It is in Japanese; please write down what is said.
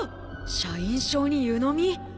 社員証に湯飲み！？